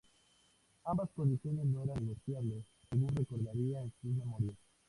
Ambas condiciones no eran negociables, según recordaría en sus memorias.